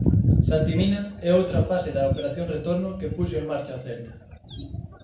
Santi Mina é outra fase da operación retorno que puxo en marcha o Celta.